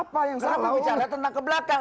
kenapa bicara tentang ke belakang